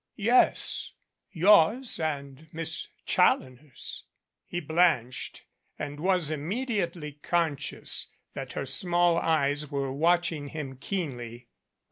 "Yes. Yours and Miss Challoner's." He blanched and was immediately conscious that her small eyes were watching him keenly.